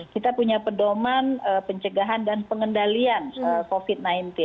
kita punya pedoman pencegahan dan pengendalian covid sembilan belas